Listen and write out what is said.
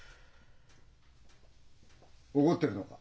怒ってるのか？